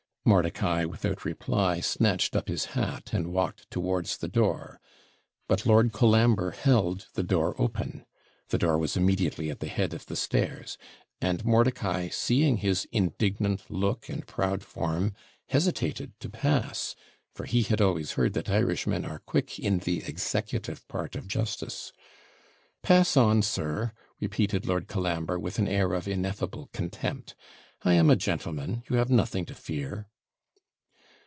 Mordicai, without reply snatched up his hat, and walked towards the door; but Lord Colambre held the door open the door was immediately at the head of the stairs and Mordicai, seeing his indignant look and proud form, hesitated to pass; for he had always heard that Irishmen are 'quick in the executive part of justice.' 'Pass on, sir,' repeated Lord Colambre, with an air of ineffable contempt; 'I am a gentleman you have nothing to fear.'